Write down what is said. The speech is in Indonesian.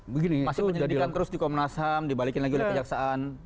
masih penyelidikan terus di komnas ham dibalikin lagi oleh kejaksaan